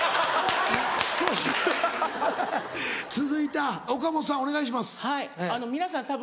続いて岡本さん